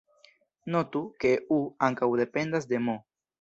Notu, ke "u" ankaŭ dependas de "m".